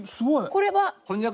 これは？